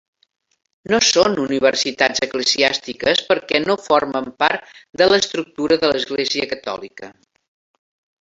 No són universitats eclesiàstiques perquè no formen part de l'estructura de l'Església Catòlica.